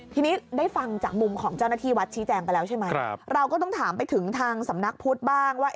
ทีนี้ได้ฟังจากมุมของเจ้าหน้าที่วัดชี้แจงไปแล้วใช่ไหมเราก็ต้องถามไปถึงทางสำนักพุทธบ้างว่า